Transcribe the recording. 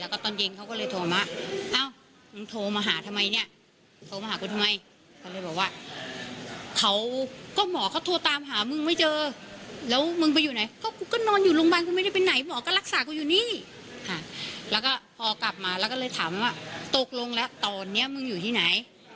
แล้วก็เลยถามว่าตกลงแล้วตอนเนี้ยมึงอยู่ที่ไหน